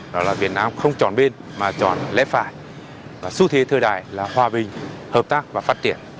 đó là việt nam không chọn bên mà chọn lẽ phải và xu thế thời đại là hòa bình hợp tác và phát triển